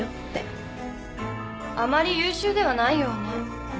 あまり優秀ではないようね。